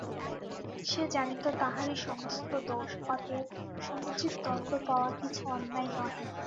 সে জানিত তাহারি সমস্ত দোষ, অতএব সমুচিত দণ্ড পাওয়া কিছু অন্যায় নহে।